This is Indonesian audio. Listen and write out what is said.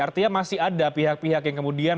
artinya masih ada pihak pihak yang kemudian